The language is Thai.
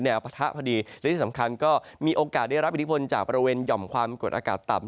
ปะทะพอดีและที่สำคัญก็มีโอกาสได้รับอิทธิพลจากบริเวณหย่อมความกดอากาศต่ำ